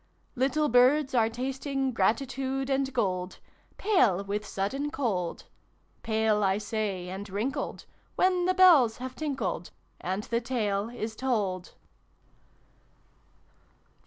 Little Birds are tasting Gratitude and gold, Pale with sudden cold: Pale, I say, and wrinkled When the bells have tinkled, And the Tale is told.